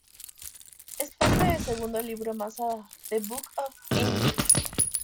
Es parte del segundo libro Masada, ""The Book of Angels"".